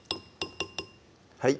はい